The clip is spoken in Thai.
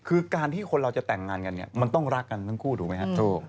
คือการที่คนเราจะแต่งงานกันเนี่ยมันต้องรักกันทั้งคู่ถูกไหมครับ